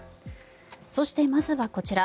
そして、まずはこちら。